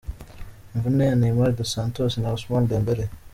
Imvune ya Neymar dos Santos na Ousmane Dembele.